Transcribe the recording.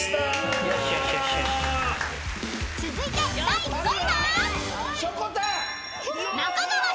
［続いて第５位は？］